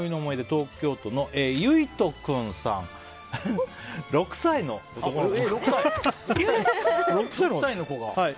東京都の６歳の男の子。